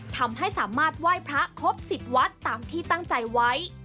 ทำให้สามารถไหว้พระครบ๑๐วัดตามที่ตั้งใจไว้